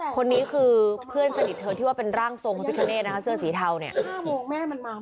คนนี้คือเพื่อนสนิทเธอที่ว่าเป็นร่างทรงพระพิคเนธนะคะเสื้อสีเทาเนี่ย